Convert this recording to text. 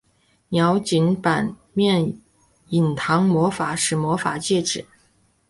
鸟井坂面影堂魔法使魔法指环